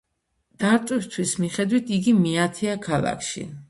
დატვირთვის მიხედვით, იგი მეათეა ქალაქში.